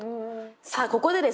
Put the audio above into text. さあここでですね